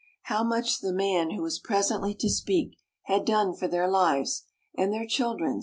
How much the man who was presently to speak had done for their lives, and their children's, and the country!